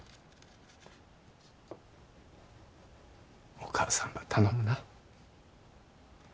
お母さんば頼むな。